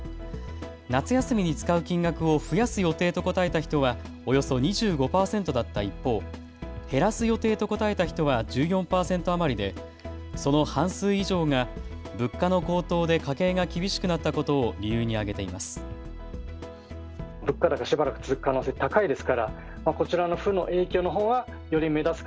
夏休みに使う金額を増やす予定と答えた人はおよそ２５％だった一方、減らす予定と答えた人は１４％余りでその半数以上が物価の高騰で家計が厳しくなったことを理由に挙げています。